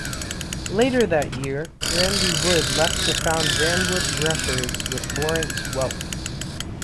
Later that year, Randy Wood left to found Ranwood Records with Lawrence Welk.